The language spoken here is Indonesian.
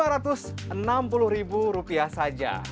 lima ratus enam puluh ribu rupiah saja